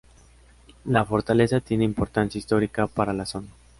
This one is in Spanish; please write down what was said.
La fortaleza tiene importancia histórica para la zona.